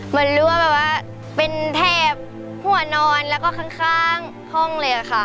รั่วแบบว่าเป็นแถบหัวนอนแล้วก็ข้างห้องเลยค่ะ